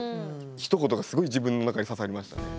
ひと言がすごい自分の中に刺さりましたね。